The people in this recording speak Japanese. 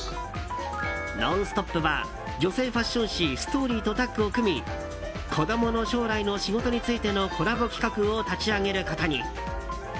「ノンストップ！」は女性ファッション誌「ＳＴＯＲＹ」とタッグを組み子供の将来の仕事についてのコラボ企画を立ち上げることに。